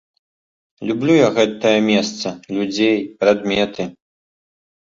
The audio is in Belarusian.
Люблю я гэтае месца, людзей, прадметы.